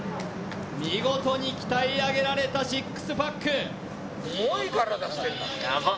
見事に鍛え上げられたシックスパックヤバっ